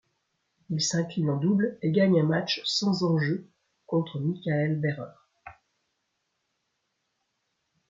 Il s'incline en double et gagne un match sans enjeu contre Michael Berrer.